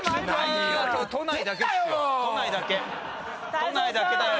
都内だけだよ。